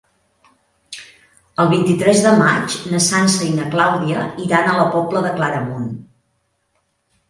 El vint-i-tres de maig na Sança i na Clàudia iran a la Pobla de Claramunt.